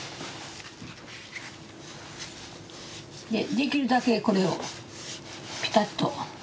できるだけこれをピタッと。